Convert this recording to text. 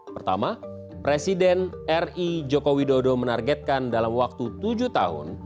pertama presiden ri joko widodo menargetkan dalam waktu tujuh tahun